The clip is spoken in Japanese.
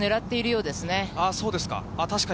そうですか。